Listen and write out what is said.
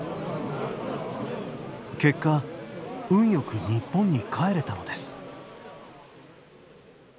結果運よく日本に帰れたのです